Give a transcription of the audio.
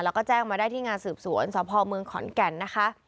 แล้วก็แจ้งมาได้ที่งานสืบสวนสพเมืองขอนแก่นนะคะ